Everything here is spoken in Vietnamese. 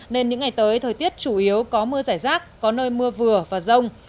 nên những ngày tới thời tiết chủ yếu có mưa giải rác có nơi mưa vừa và rông